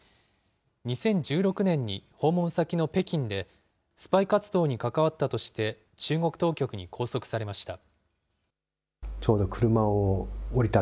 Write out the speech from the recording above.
２０１６年に訪問先の北京で、スパイ活動に関わったとして中国当局に拘束されました。